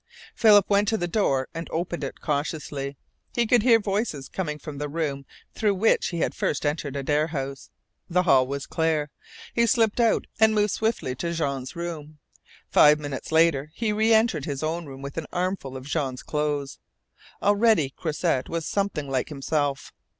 Philip went to the door and opened it cautiously. He could hear voices coming from the room through which he had first entered Adare House. The hall was clear. He slipped out and moved swiftly to Jean's room. Five minutes later he reentered his own room with an armful of Jean's clothes. Already Croisset was something like himself.